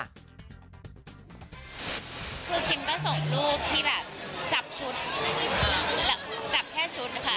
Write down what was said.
คือคิมก็ส่งรูปที่แบบจับชุดจับแค่ชุดนะคะ